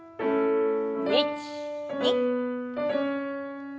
１２。